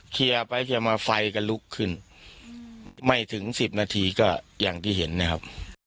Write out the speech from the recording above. เคลียร์ไปเคลียร์มาไฟก็ลุกขึ้นไม่ถึงสิบนาทีก็อย่างที่เห็นนะครับ